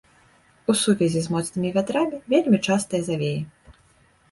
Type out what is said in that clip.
У сувязі з моцнымі вятрамі вельмі частыя завеі.